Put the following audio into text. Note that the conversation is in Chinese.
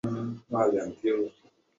官至霍州刺史。